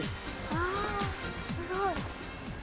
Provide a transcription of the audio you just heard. あすごい。